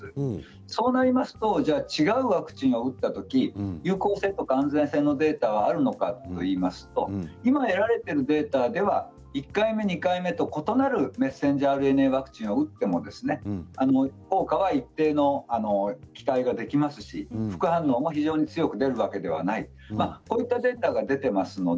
そうなりますと違うワクチンを打ったときに安全性のデータはあるのかといいますと今得られているデータでは１回目２回目と、異なるメッセンジャーＲＮＡワクチンを打っても効果は一定の期待ができますし副反応も非常に強く出るわけではないこういったデータが出ています。